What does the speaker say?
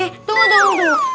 eh tunggu tunggu dulu